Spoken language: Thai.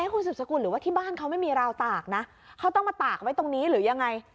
คุณสุดสกุลหรือว่าที่บ้านเขาไม่มีราวตากนะเขาต้องมาตากไว้ตรงนี้หรือยังไง